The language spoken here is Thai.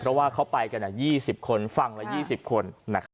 เพราะว่าเขาไปกัน๒๐คนฝั่งละ๒๐คน